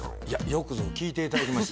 よくぞ聞いていただきました